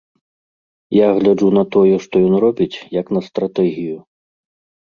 Я гляджу на тое, што ён робіць, як на стратэгію.